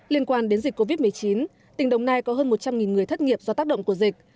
liên quan đến dịch covid một mươi chín tỉnh đồng nai có hơn một trăm linh người thất nghiệp do tác động của dịch